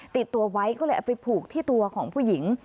ติดตัวไว้ก็เลยเอาไปผูกที่ตัวของผู้หญิง